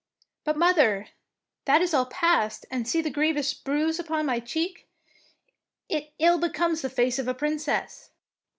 '' ''But, mother, that is all past, and see the grievous bruise upon my cheek. It ill becomes the face of a princess."